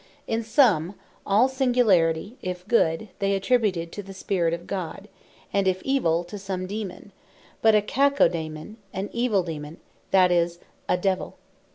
In summe, all singularity if Good, they attributed to the Spirit of God; and if Evill, to some Daemon, but a kakodaimen, an Evill Daemon, that is, a Devill.